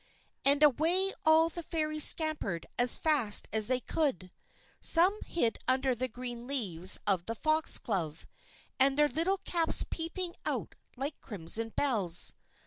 _" And away all the Fairies scampered as fast as they could. Some hid under the green leaves of the Foxglove, their little caps peeping out like crimson bells.